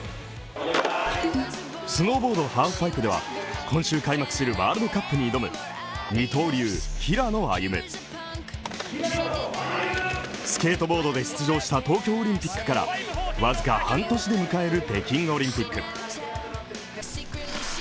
スノーボードハーフパイプでは今週開幕するワールドカップに挑む二刀流で平野歩夢スケートボードで出場した東京オリンピックからわずか半年で迎える北京オリンピック。